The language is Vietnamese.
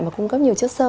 mà cung cấp nhiều chất sơ